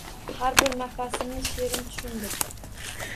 Har bir nafasimni she’rim tushundi.